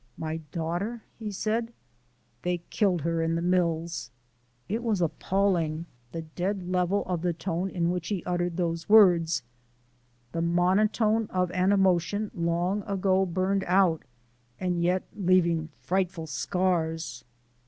"My daughter?" he said. "They killed her in the mills." It was appalling the dead level of the tone in which he uttered those words the monotone of an emotion long ago burned out, and yet leaving frightful scars.